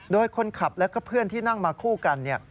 โดยคนขับและก็เพื่อนที่นั่งมาคู่กัน